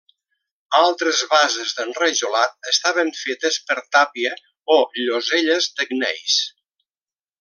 Altres bases d'enrajolat estaven fetes per tàpia o lloselles de gneis.